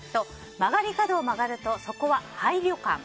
曲がり角を曲がるとそれは廃旅館。